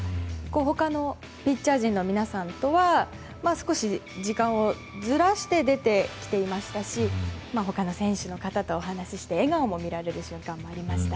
他のピッチャー陣の皆さんとは少し時間をずらして出てきていましたし他の選手の方とお話しして笑顔を見られる瞬間もありました。